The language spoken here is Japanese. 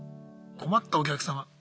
困ったお客様。